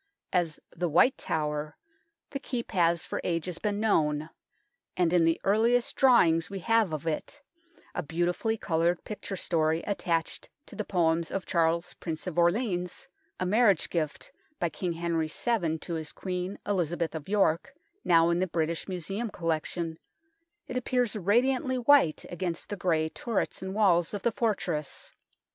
As " the White Tower " the Keep has for ages been known, and in the earliest drawing we have of it, a beautifully coloured picture story attached to the Poems of Charles Prince of Orleans a marriage gift by King Henry VII to his Queen, Elizabeth of York, now in the British Museum collection it appears radiantly white against the grey turrets and walls of the fortress.